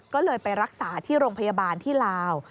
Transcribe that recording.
ก็เลยไปรักษาที่โรงพยาบาลที่ลาว